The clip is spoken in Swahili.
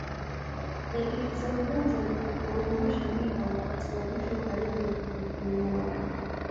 Dalili za ugonjwa ni kuporomosha mimba wakati wa mwisho karibu na kujifungua